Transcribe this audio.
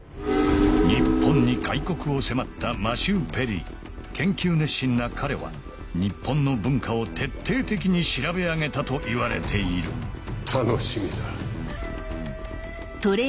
日本に開国を迫ったマシュー・ペリー研究熱心な彼は日本の文化を徹底的に調べ上げたといわれている楽しみだ。